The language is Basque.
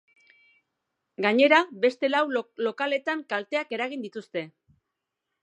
Gainera, beste lau lokaletan kalteak eragin dituzte.